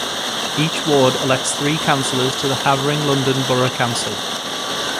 Each ward elects three councillors to Havering London Borough Council.